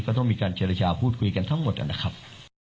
ต้องมีการเจรจาพูดคุยกันทั้งหมดนะครับ